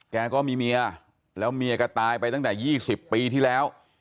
ก็มีเมียแล้วเมียก็ตายไปตั้งแต่๒๐ปีที่แล้ว